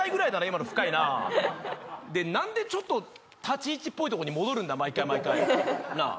今の深いなあで何でちょっと立ち位置っぽいとこに戻るんだ毎回毎回なあ